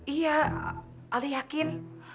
iya ada yakin